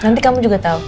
nanti kamu juga tau kok